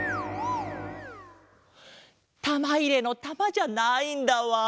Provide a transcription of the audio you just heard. たまいれのたまじゃないんだわん。